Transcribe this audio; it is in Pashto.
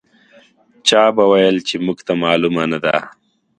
چا به ویل چې موږ ته معلومه نه ده.